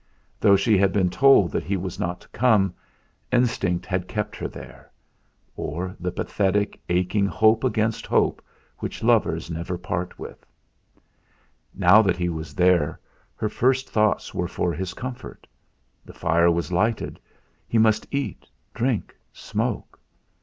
Though she had been told that he was not to come, instinct had kept her there; or the pathetic, aching hope against hope which lovers never part with. Now that he was there, her first thoughts were for his comfort. The fire was lighted. He must eat, drink, smoke.